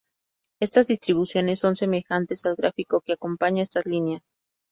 Estas distribuciones son semejantes al gráfico que acompaña estas líneas.